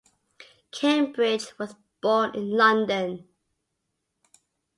Cambridge was born in London.